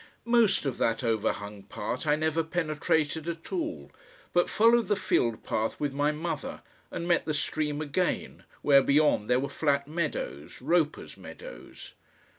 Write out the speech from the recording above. Most of that overhung part I never penetrated at all, but followed the field path with my mother and met the stream again, where beyond there were flat meadows, Roper's meadows.